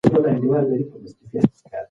پاڼه باید سبا سهار وختي راویښه شي.